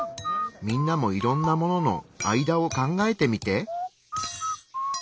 みんなもいろんなものの「あいだ」を考えてみて。